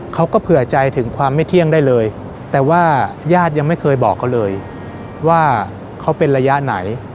เขาก็เผื่อใจถึงความไม่เที่ยงได้เลยแต่ว่าญาติยังไม่เคยบอกเขาเลยว่าเขาเป็นระยะไหน